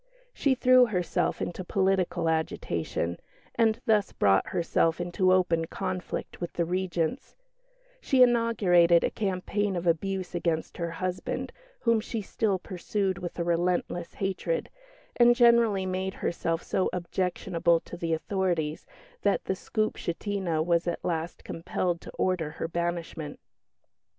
She threw herself into political agitation, and thus brought herself into open conflict with the Regents; she inaugurated a campaign of abuse against her husband, whom she still pursued with a relentless hatred; and generally made herself so objectionable to the authorities that the Skupshtina was at last compelled to order her banishment.